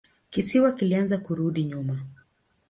Kisiwa kilianza kurudi nyuma.